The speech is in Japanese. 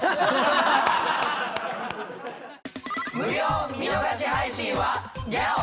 無料見逃し配信はＧＹＡＯ！